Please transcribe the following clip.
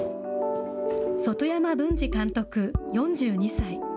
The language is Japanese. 外山文治監督４２歳。